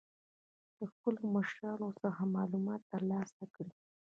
له خپلو مشرانو څخه معلومات تر لاسه کړئ.